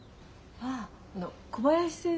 ああ小林先生？